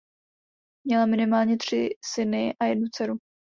Měla minimálně tři syny a jednu dceru.